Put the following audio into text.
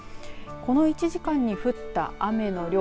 この１時間に降った雨の量